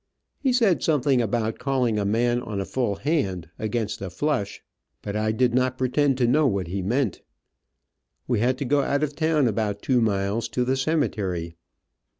He said something about calling a man on a full hand, against a flush, but I did not pretend to know what he meant. We had to go out of town about two miles, to the cemetery.